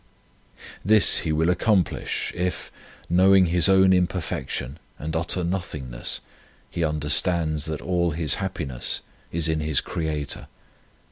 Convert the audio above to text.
This he will accomplish if, know ing his own imperfection and utter nothingness, he understands that all his happiness is in his Creator.